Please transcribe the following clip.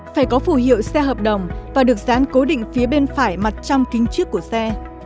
phải có phủ hiệu xe hợp đồng và được dán cố định phía bên phải mặt trong kính trước của xe